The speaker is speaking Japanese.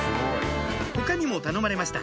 他にも頼まれました